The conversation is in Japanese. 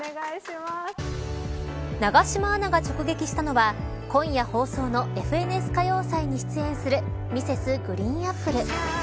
永島アナが直撃したのは今夜放送のＦＮＳ歌謡祭に出演するＭｒｓ．ＧＲＥＥＮＡＰＰＬＥ。